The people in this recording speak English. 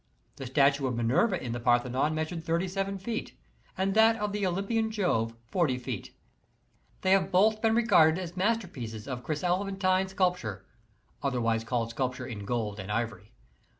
The statue of Minerva in the Parthenon measured thirty seven feet, and that of the Olympian Jove forty feet. They have both been regarded as masterpieces of chrys elephantine sculp ture (otherwise ca:lled sculpture in gold and ivory).